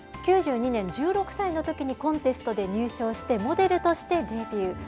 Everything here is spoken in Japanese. ９２年、１６歳のときにコンテストで入賞してモデルとしてデビュー。